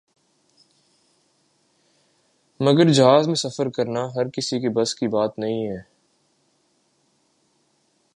مگر جہاز میں سفر کرنا ہر کسی کے بس کی بات نہیں ہے ۔